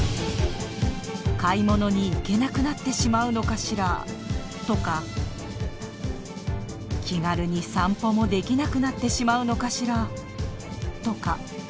「買い物に行けなくなってしまうのかしら」とか「気軽に散歩もできなくなってしまうのかしら」とか。